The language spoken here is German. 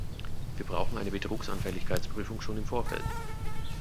Wir brauchen eine Betrugsanfälligkeitsprüfung schon im Vorfeld.